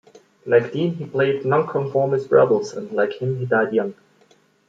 Like Dean, he played nonconformist rebels, and like him he died young.